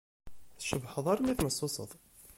Tcebḥeḍ armi tmessuseḍ!